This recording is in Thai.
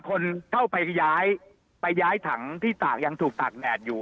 คนเข้าไปย้ายไปย้ายถังที่ตากยังถูกตากแดดอยู่